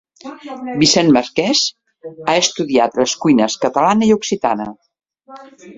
Vicent Marqués ha estudiat les cuines catalana i occitana